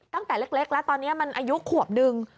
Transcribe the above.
ตั้งแต่เล็กแล้วตอนนี้มันอายุขวบนึง